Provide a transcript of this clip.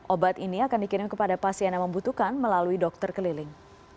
obat ini akan dikirim kepada pasien yang membutuhkan melalui dokter keliling